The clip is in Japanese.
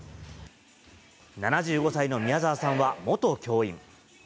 ７５歳の宮沢さんは元教員。